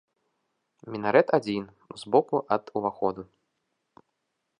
Мінарэт адзін, збоку ад уваходу.